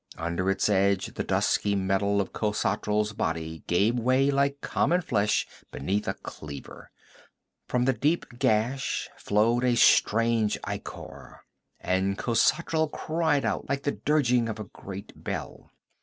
Under its edge the dusky metal of Khosatral's body gave way like common flesh beneath a cleaver. From the deep gash flowed a strange ichor, and Khosatral cried out like the dirging of a great bell.